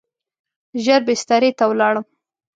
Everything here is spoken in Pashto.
ژر بسترې ته ولاړم.